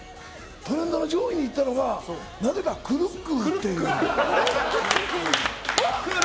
トレンドの上位にいったのがなぜか「くるっくぅー」っていう。